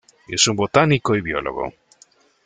Es un botánico y biólogo.